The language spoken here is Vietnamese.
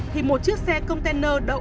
thì một chiếc xe container đậu